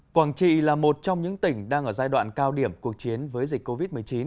quảng trị là một trong những tỉnh đang ở giai đoạn cao điểm cuộc chiến với dịch covid một mươi chín